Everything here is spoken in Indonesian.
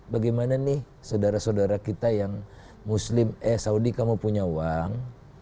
bagaimana nih saudara saudara kita yang muslim eh saudi kamu punya uang